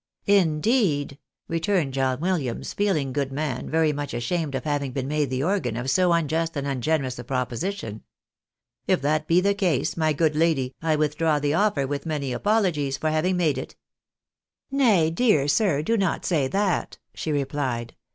"Indeed!" returned John Williams, feeling, good man, very much ashamed of having been made the organ of so unjust and un generous a proposition. " If that be the case, my good lady, I withdraw the offer with many apologies for having made it." " Nay, dear sir, do not say that," she replied.